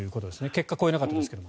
結果、越えなかったわけですが。